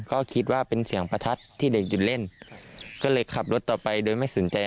ก็คิดว่าเป็นเสียงประทัดที่เด็กหยุดเล่นก็เลยขับรถต่อไปโดยไม่สนใจ